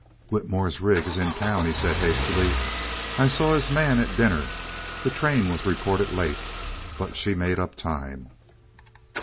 "Whitmore's rig is in town," he said, hastily. "I saw his man at dinner. The train was reported late, but she made up time."